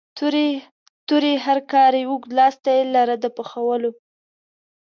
تورې هرکارې اوږد لاستی لاره د پخولو.